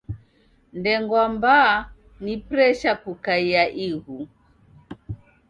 Ndengwa mbaa ni presha kukaia ighu.